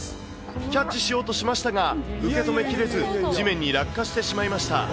キャッチしようとしましたが、受け止めきれず、地面に落下してしまいました。